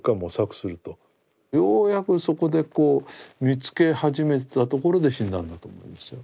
ようやくそこでこう見つけ始めたところで死んだんだと思うんですよ。